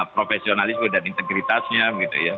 profesionalisme dan integritasnya gitu ya